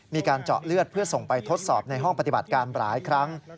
มีการเจาะเลือดเพื่อส่งไปทดสอบในห้องปฏิบัติการหลายครั้ง